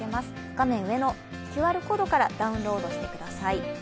画面上のＱＲコードからダウンロードしてください。